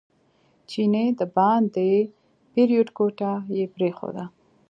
چینی دباندې پرېوت کوټه یې پرېښوده.